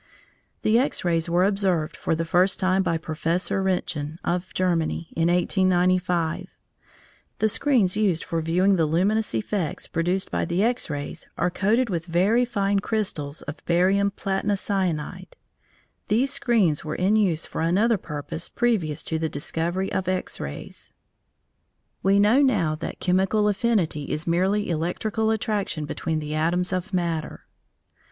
The X rays were observed for the first time by Professor Roentgen, of Germany, in 1895. The screens used for viewing the luminous effects produced by the X rays are coated with very fine crystals of barium platinocyanide. These screens were in use for another purpose previous to the discovery of X rays. We know now that chemical affinity is merely electrical attraction between the atoms of matter.